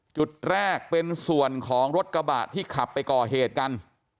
จุดแรกเป็นส่วนของรถกระบะที่ขับไปก่อเหตุกัน